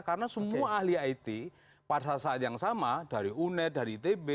karena semua ahli it pada saat yang sama dari uned dari itb